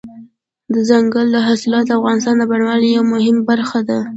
دځنګل حاصلات د افغانستان د بڼوالۍ یوه مهمه برخه ده.